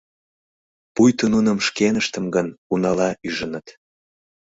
Пуйто нуным шкеныштым гына унала ӱжыныт.